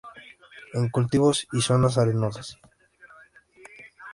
En cultivos y zonas arenosas.